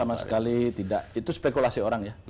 sama sekali tidak itu spekulasi orang ya